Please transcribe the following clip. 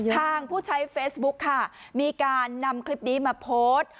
ผู้ใช้เฟซบุ๊คค่ะมีการนำคลิปนี้มาโพสต์